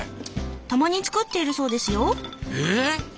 たまに作っているそうですよ。え